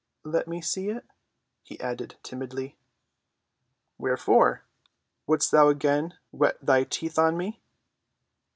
"Let me see it," he added timidly. "Wherefore; wouldst thou again whet thy teeth on me?"